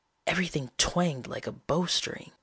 "Everything twanged like a bowstring.